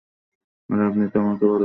আর আপনি তো আমাকে ভালো করেই চেনেন।